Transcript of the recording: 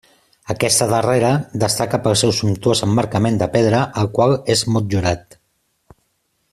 Aquesta darrera destaca pel seu sumptuós emmarcament de pedra, el qual és motllurat.